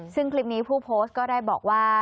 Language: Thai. ซึ่งคลิปนี้ผู้โพสต์ก็ได้บอกว่า